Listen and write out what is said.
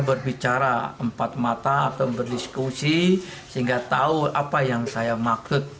berbicara empat mata atau berdiskusi sehingga tahu apa yang saya maksud